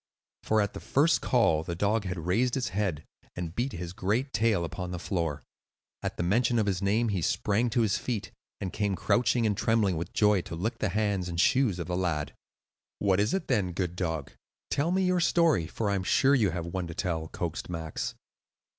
For at the first call, the dog had raised his head and beat his great tail upon the floor. At the mention of his name he sprang to his feet, and came crouching and trembling with joy to lick the hands and shoes of the lad. "What is it then, good dog? Tell me your story, for I'm sure you have one to tell," coaxed Max.